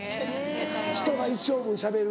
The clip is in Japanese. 人が一生分しゃべる。